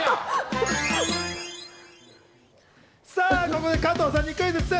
ここで加藤さんにクイズッス！